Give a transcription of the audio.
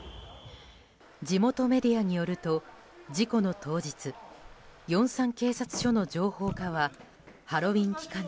地元メディアによると事故の当日ヨンサン警察署の情報課はハロウィーン期間